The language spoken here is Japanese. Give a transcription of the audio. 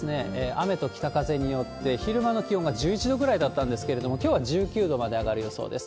雨と北風によって、昼間の気温が１１度ぐらいだったんですけれども、きょうは１９度まで上がる予想です。